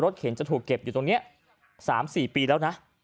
เข็นจะถูกเก็บอยู่ตรงนี้๓๔ปีแล้วนะ